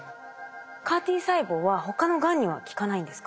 ＣＡＲ−Ｔ細胞は他のがんには効かないんですか？